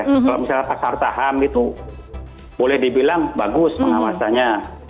kalau misalnya pasar saham itu boleh dibilang bagus pengawasannya